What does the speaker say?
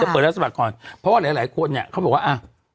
เพราะว่าหลายคนเนี่ยเขาบอกว่า